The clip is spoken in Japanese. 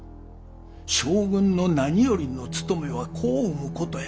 将軍の何よりのつとめは子を産むことや！